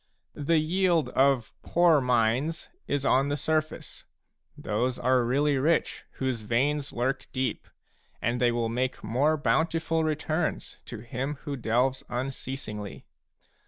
The yield of poor mines is on the surface ; those are really rich whose veins lurk deep, and they will make more bountiful returns to him who delves unceasingly.